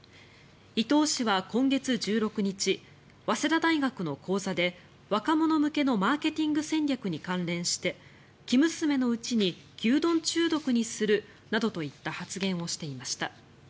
伊東氏は今月１６日早稲田大学の講座で若者向けのマーケティング戦略に関連して生娘のうちに牛丼中毒にするなどといった発言をしていました。